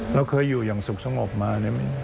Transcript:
เราเคยอยู่อย่างสุขสงบมา